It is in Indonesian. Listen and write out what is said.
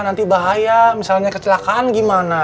nanti bahaya misalnya kecelakaan gimana